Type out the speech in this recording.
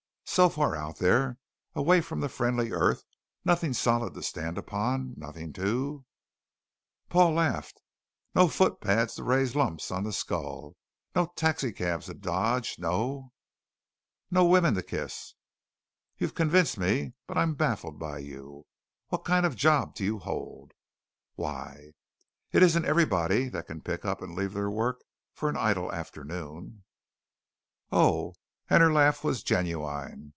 "So far out there, away from the friendly earth; nothing solid to stand upon, nothing to " Paul laughed. "No footpads to raise lumps on the skull, no taxicabs to dodge, no " "No women to kiss?" "You've convinced me! But I'm baffled by you. What kind of job do you hold?" "Why?" "It isn't everybody that can pick up and leave their work for an idle afternoon." "Oh," and her laugh was genuine.